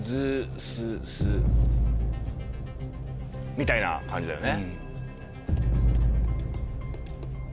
みたいな感じだよね。